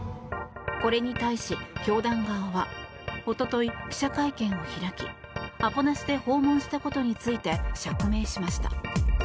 これに対し教団側は一昨日、記者会見を開きアポなしで訪問したことについて釈明しました。